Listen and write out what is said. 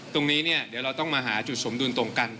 ตรงนี้เนี่ยเดี๋ยวเราต้องมาหาจุดสมดุลตรงกัน